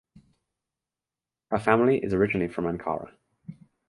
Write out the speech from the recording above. Her family is originally from Ankara.